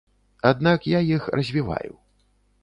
Аднак я іх развіваю.